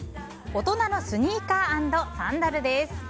大人のスニーカー＆サンダルです。